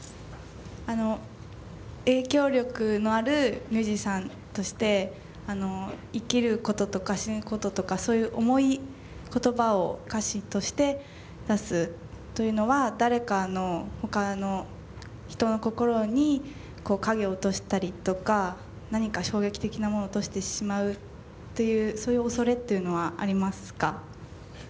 影響力のあるミュージシャンとして生きることとか死ぬこととかそういう重い言葉を歌詞として出すというのは誰かのほかの人の心に影を落としたりとか何か衝撃的なものを落としてしまうというそういう恐れというのはありますか？